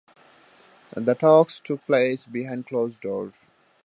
The talks took place behind closed doors.